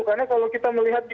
karena kalau kita menjelaskan itu